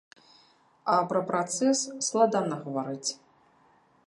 А пра працэс складана гаварыць.